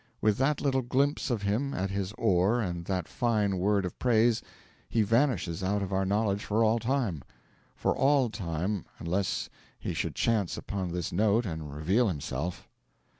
With that little glimpse of him at his oar, and that fine word of praise, he vanishes out of our knowledge for all time. For all time, unless he should chance upon this note and reveal himself.